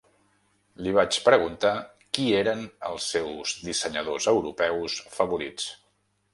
Li vaig preguntar qui eren els seus dissenyadors europeus favorits.